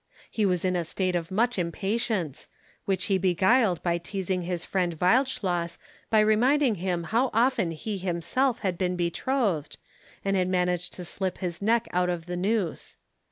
He was in a state of much impatience, which he beguiled by teasing his friend Wildschloss by reminding him how often he himself had been betrothed, and had managed to slip his neck out of the noose.